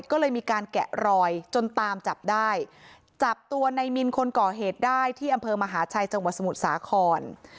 ก็เลยมีการแกะรอยจนตามจับได้จับตัวในมินคนก่อเหตุได้ที่อำเภอมหาชัยจังหวัดสมุทรสาคร